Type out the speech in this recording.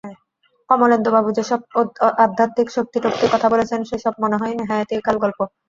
কমলেন্দুবাবু যে সব আধ্যাত্মিক শক্তিটক্তির কথা বলেছেন, সে সব মনে হয় নেহায়েতই গালগল্প।